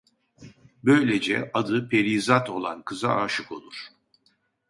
Böylece adı Perizat olan kıza âşık olur.